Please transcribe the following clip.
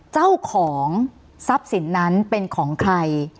เจ้าของทรัพย์สินนั้นเป็นของใคร